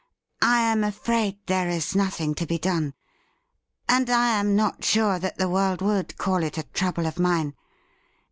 I am afraid there is nothing to be done. And I am not sure that the world would call it a trouble of mine.